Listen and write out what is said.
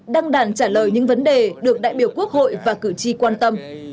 đăng đàn trả lời những vấn đề được đại biểu quốc hội và cử tri quan tâm